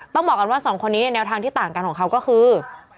บอกกันว่าสองคนนี้เนี่ยแนวทางที่ต่างกันของเขาก็คือ